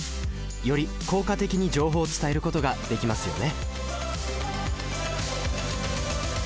より効果的に情報を伝えることができますよね